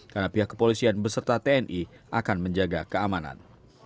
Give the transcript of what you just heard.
karena pihak kepolisian beserta tni akan menjaga keamanan